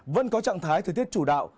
vẫn có trạng thái thời tiết chủ đạo